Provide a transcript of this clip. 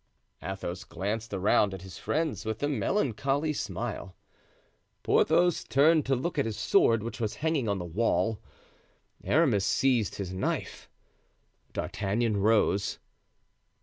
Athos glanced around at his friends with a melancholy smile. Porthos turned to look at his sword, which was hanging on the wall; Aramis seized his knife; D'Artagnan arose.